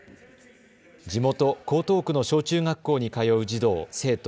地元、江東区の小中学校に通う児童・生徒